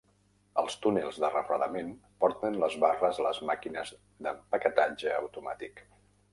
Els túnels de refredament porten les barres a les màquines d'empaquetatge automàtic.